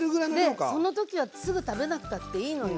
でその時はすぐ食べなくたっていいのよ。